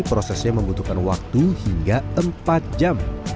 prosesnya membutuhkan waktu hingga empat jam